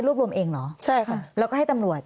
รวมเองเหรอใช่ค่ะแล้วก็ให้ตำรวจ